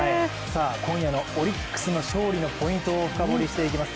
今夜のオリックスの勝利のポイントを深掘りしていきます。